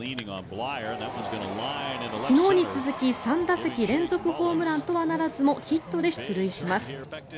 昨日に続き３打席連続ホームランとはならずもヒットで出塁します。